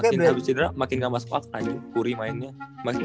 makin abis jedera makin nggak masuk waktu anjing kuri mainnya